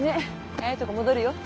早いとこ戻るよ。